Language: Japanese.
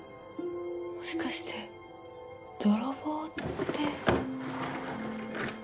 もしかして泥棒って。